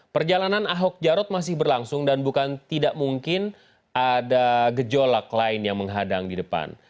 perjalanan ahok jarot masih berlangsung dan bukan tidak mungkin ada gejolak lain yang menghadang di depan